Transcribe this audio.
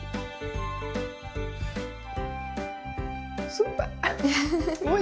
酸っぱい！